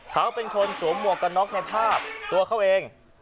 เขาเป็นคนสวมหมวกกันน็อกในภาพตัวเขาเอง